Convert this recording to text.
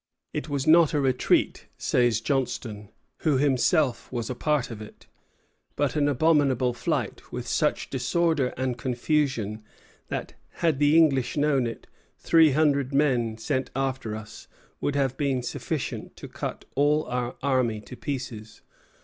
"It was not a retreat," says Johnstone, who was himself a part of it, "but an abominable flight, with such disorder and confusion that, had the English known it, three hundred men sent after us would have been sufficient to cut all our army to pieces.